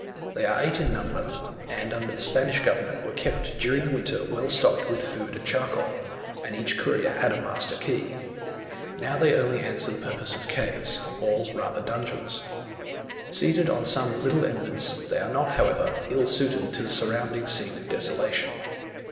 They are eight in number, and under the Spanish government were kept during the winter well stored with food and charcoal, and each courier had a master key. Now they only answer the purpose of caves, or rather dungeons. Seated on some little eminence, they are not, however, ill suited to the surrounding scene of desolation.